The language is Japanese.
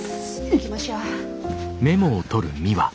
行きましょう。